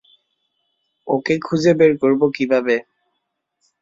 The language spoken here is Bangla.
ওকে খুঁজে বের করবে কীভাবে?